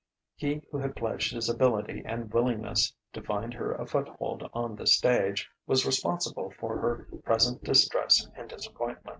He who had pledged his ability and willingness to find her a foothold on the stage, was responsible for her present distress and disappointment.